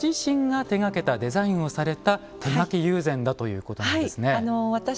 ご自身が手がけたデザインをされた手描き友禅だということなんですね。